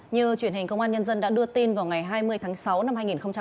như truyền hình công an nhân dân đã đưa tin vào ngày hai mươi tháng sáu năm hai nghìn hai mươi ba